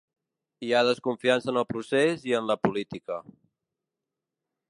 Hi ha desconfiança en el procés i en la política.